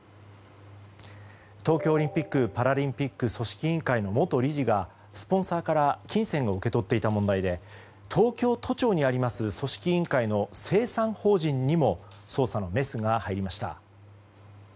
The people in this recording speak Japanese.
東京オリンピック・パラリンピック組織委員会の元理事が、スポンサーから金銭を受け取っていた問題で東京都庁にあります組織委員会の清算法人にも捜査のメスが入りました。